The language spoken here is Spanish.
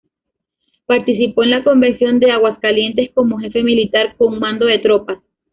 Participó en la Convención de Aguascalientes como jefe militar con mando de tropas.